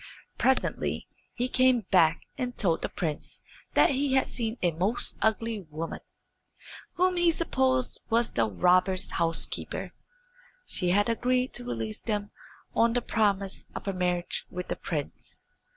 Presently he came back and told the prince that he had seen a most ugly woman, whom he supposed was the robbers' housekeeper. She had agreed to release them on the promise of her marriage with the prince.